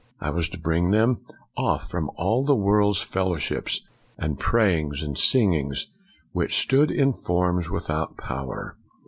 I was to bring them off from all the world's fellowships, and prayings, and singings, w r hich stood in forms without power.